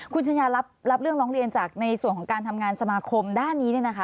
คุณชัญญารับเรื่องร้องเรียนจากในส่วนของการทำงานสมาคมด้านนี้